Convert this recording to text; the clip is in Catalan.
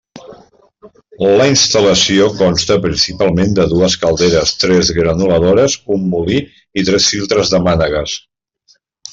La instal·lació consta principalment de dues calderes, tres granuladores, un molí i tres filtres de mànegues.